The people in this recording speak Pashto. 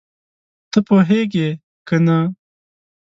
ته پوهېږې که نه؟